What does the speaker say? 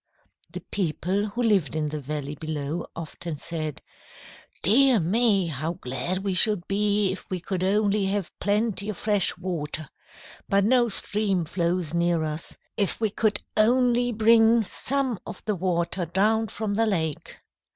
"The people who lived in the valley below often said, 'Dear me! how glad we should be if we could only have plenty of fresh water. But no stream flows near us. If we could only bring some of the water down from the lake!'